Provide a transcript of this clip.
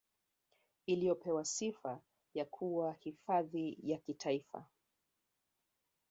Iliyopewa sifa ya kuwa hifadhi ya Kitaifa